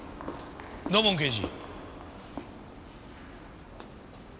土門刑事。